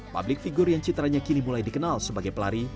publik figur yang citaranya kini mulai dikenal sebagai pelari